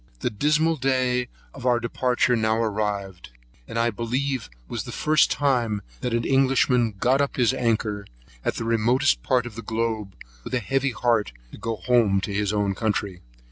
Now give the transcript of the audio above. The dismal day of our departure now arrived. This I believe was the first time that an Englishman got up his anchor, at the remotest part of the globe, with a heavy heart, to go home to his own country.